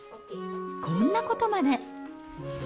こんなことまで。